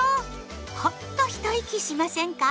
ホッと一息しませんか？